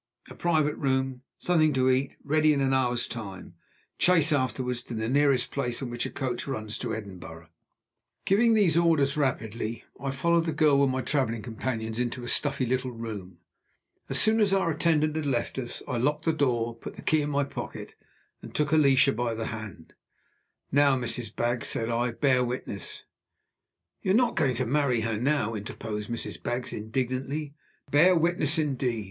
"A private room something to eat, ready in an hour's time chaise afterward to the nearest place from which a coach runs to Edinburgh." Giving these orders rapidly, I followed the girl with my traveling companions into a stuffy little room. As soon as our attendant had left us, I locked the door, put the key in my pocket, and took Alicia by the hand. "Now, Mrs. Baggs," said I, "bear witness " "You're not going to marry her now!" interposed Mrs. Baggs, indignantly. "Bear witness, indeed!